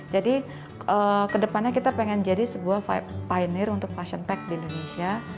kedepannya kita pengen jadi sebuah piner untuk fashion tech di indonesia